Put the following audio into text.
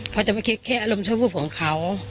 เขาจะไม่คิดแค่อารมณ์ชั่ววูบของเขา